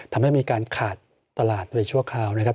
ทำให้มีการขาดตลาดโดยชั่วคราวนะครับ